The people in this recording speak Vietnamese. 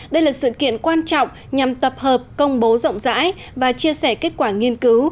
đây là sự kiện quan trọng nhằm tập hợp công bố rộng rãi và chia sẻ kết quả nghiên cứu